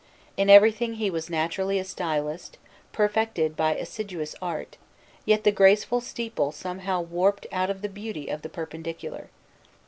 In everything he was naturally a stylist, perfected by assiduous art, yet the graceful steeple is somehow warped out of the beauty of the perpendicular.